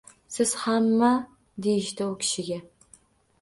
“Siz hammi?” deyishdi u kishiga